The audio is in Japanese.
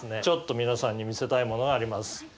ちょっと皆さんに見せたいものがあります。